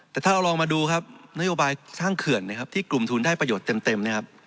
แต่ถ้าเราลองมาดูครับนโยบายสร้างเขื่อนนะครับที่กลุ่มทุนได้ประโยชน์เต็มนะครับ